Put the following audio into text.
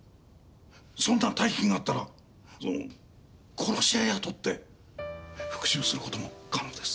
そんな大金があったらその殺し屋雇って復讐することも可能です。